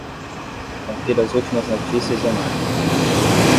Confira as últimas notícias e análises